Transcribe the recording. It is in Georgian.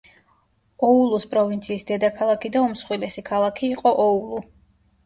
ოულუს პროვინციის დედაქალაქი და უმსხვილესი ქალაქი იყო ოულუ.